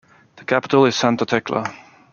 The capital is Santa Tecla.